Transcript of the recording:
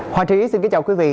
hòa trí xin kính chào quý vị